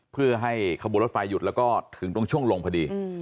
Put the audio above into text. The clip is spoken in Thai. เพื่อให้ขบวนรถไฟหยุดแล้วก็ถึงตรงช่วงลงพอดี